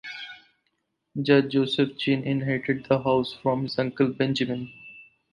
Judge Joseph Chinn inherited the house from his uncle Benjamin.